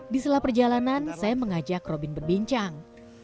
di setelah perjalanan saya mengajak robin berbincang